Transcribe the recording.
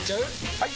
・はい！